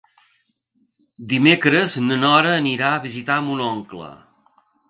Dimecres na Nora anirà a visitar mon oncle.